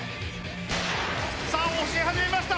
さあ押し始めました！